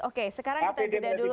oke sekarang kita jeda dulu